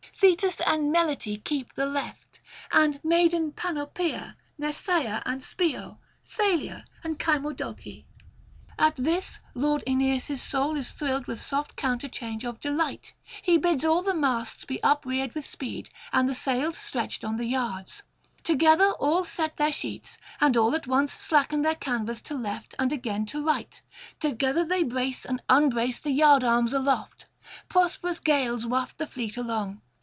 Thetis and Melite keep the left, and maiden Panopea, Nesaea and Spio, Thalia and Cymodoce. [827 860]At this lord Aeneas' soul is thrilled with soft counterchange of delight. He bids all the masts be upreared with speed, and the sails stretched on the yards. Together all set their sheets, and all at once slacken their canvas to left and again to right; together they brace and unbrace the yard arms aloft; prosperous gales waft the fleet along.